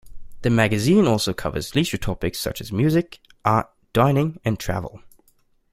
The magazine also covers leisure topics such as music, art, dining, and travel.